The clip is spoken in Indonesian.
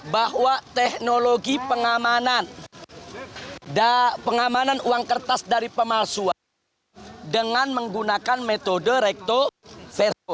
bahwa teknologi pengamanan uang kertas dari pemalsuan dengan menggunakan metode recto verso